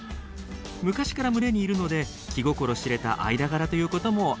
昔から群れにいるので気心知れた間柄ということもあるでしょう。